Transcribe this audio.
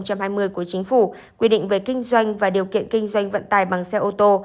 của chính phủ quy định về kinh doanh và điều kiện kinh doanh vận tài bằng xe ô tô